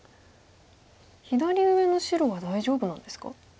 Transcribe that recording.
左上の白は大丈夫なんですか？